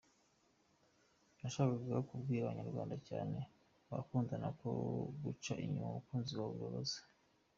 Nashakaga kubwira abanyarwanda cyane abakundana ko guca inyuma umukunzi wawe bibabaza.